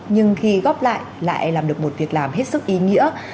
nhưng khi góp lại lại làm được một việc làm hết sức ý nghĩa